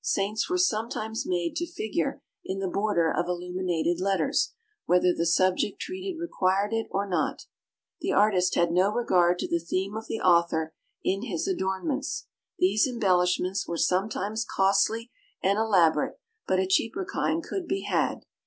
Saints were sometimes made to figure in the border of illuminated letters, whether the subject treated required it or not. The artist had no regard to the theme of the author in his adornments. These embellishments were sometimes costly and elaborate; but a cheaper kind could be had.